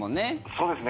そうですね。